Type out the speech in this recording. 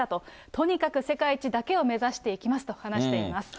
とにかく世界一だけを目指していきますと話しています。